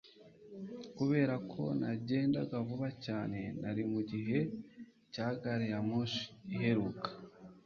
kubera ko nagendaga vuba cyane, nari mugihe cya gari ya moshi iheruka